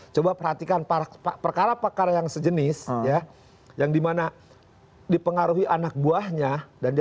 coba perhatikan para perkara perkara yang sejenis ya yang dimana dipengaruhi anak buahnya dan dia